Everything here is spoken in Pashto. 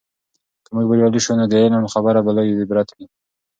که موږ بریالي سو، نو د علم خبره به لوي عبرت وي.